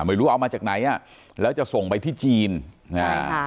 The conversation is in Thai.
ไม่รู้เอามาจากไหนอ่ะแล้วจะส่งไปที่จีนอ่า